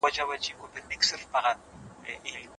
تاسي باید د ژبو د زده کړې لپاره له کمپیوټر څخه ګټه واخلئ.